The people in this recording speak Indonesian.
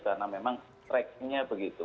karena memang track nya begitu